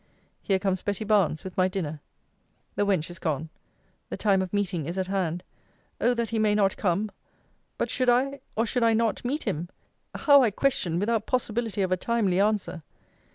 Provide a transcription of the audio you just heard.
Here comes Betty Barnes with my dinner The wench is gone. The time of meeting is at hand. O that he may not come! But should I, or should I not, meet him? How I question, without possibility of a timely answer!